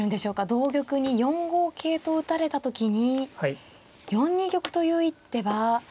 同玉に４五桂と打たれた時に４二玉という一手は。